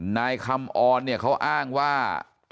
นายคำออนเนี่ยเขาอ้างว่า